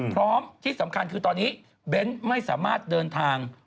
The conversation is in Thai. พร้อมที่สำคัญคือตอนนี้เบ้นไม่สามารถเดินทาง